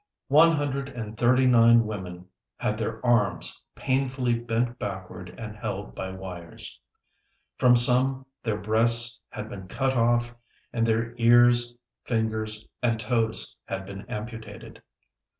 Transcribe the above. One hundred and thirty nine women had their arms painfully bent backward and held by wires. From some their breasts had been cut off and their ears, fingers, and toes had been amputated.